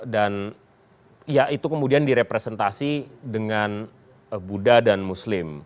dan ya itu kemudian direpresentasi dengan buddha dan muslim